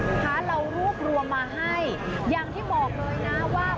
นะคะเรารวบรวมมาให้อย่างที่บอกเลยนะว่า